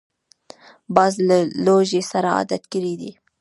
باز له لوږې سره عادت کړی دی